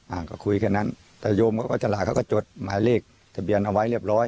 อ่าก็คุยแค่นั้นแต่โยมเขาก็ฉลาดเขาก็จดหมายเลขทะเบียนเอาไว้เรียบร้อย